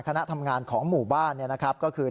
คณะทำงานของหมู่บ้านก็คือ